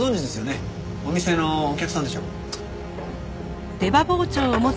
お店のお客さんでしょ？